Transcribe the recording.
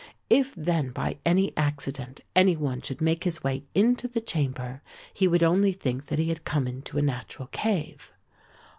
If then by any accident any one should make his way into the chamber he would only think that he had come into a natural cave.